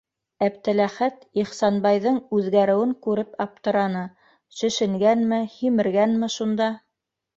Әптеләхәт Ихсанбайҙың үҙгәреүен күреп аптыраны: шешенгәнме, һимергәнме шунда.